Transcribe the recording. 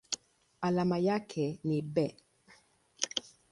Alama yake ni Be.